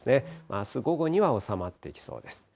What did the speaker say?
あす午後には収まってきそうです。